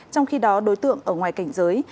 trong khi đó đối tượng ở ngoài cảnh giới